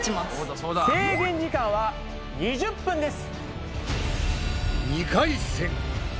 制限時間は２０分です。